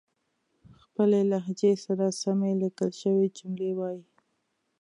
خپلې لهجې سره سمې ليکل شوې جملې وايئ